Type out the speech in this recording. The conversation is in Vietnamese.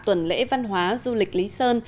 tuần lễ văn hóa du lịch lý sơn